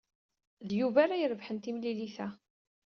D Yuba ara irebḥen timlilit-a.